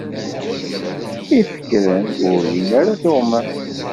Ifekren ur lin ara tuɣmas.